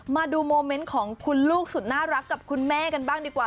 มาดูโมเมนต์ของคุณลูกสุดน่ารักกับคุณแม่กันบ้างดีกว่า